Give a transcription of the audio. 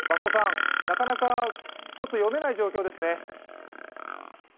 なかなか読めない状況ですね。